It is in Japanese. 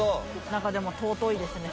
なんかでも尊いですね。